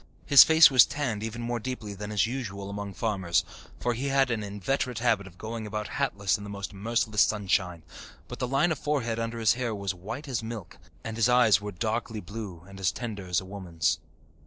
His face was tanned even more deeply than is usual among farmers, for he had an inveterate habit of going about hatless in the most merciless sunshine; but the line of forehead under his hair was white as milk, and his eyes were darkly blue and as tender as a woman's.